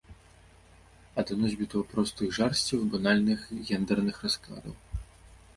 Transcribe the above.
А да носьбітаў простых жарсцяў і банальных гендэрных раскладаў.